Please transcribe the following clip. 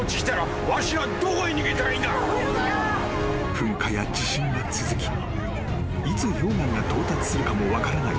［噴火や地震は続きいつ溶岩が到達するかも分からない